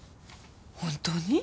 本当に？